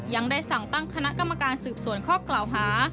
ยังได้สั่งตั้งคณะกรรมการสืบสวนข้อกล่าวหา